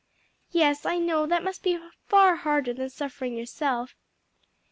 "Yes, I know that must be far harder than suffering yourself."